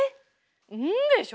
「ん」でしょ？